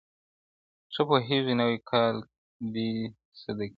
ښه پوهېږې نوی کال دی صدقې